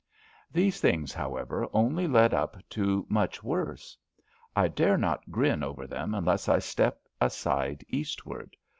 These things, however, only led up to much worse. I dare not grin over them unless I step aside Eastward.